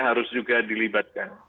harus juga dilibatkan